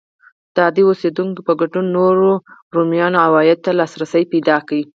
د عادي اوسېدونکو په ګډون نورو رومیانو عوایدو ته لاسرسی پیدا کړ.